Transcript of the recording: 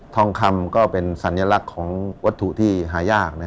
ทองคำก็เป็นสัญลักษณ์ของวัตถุที่หายาก